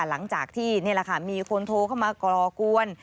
หลังจากที่นี่แหละค่ะมีคนโทรเข้ามาก่อกวน